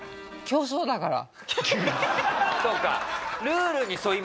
競争だから。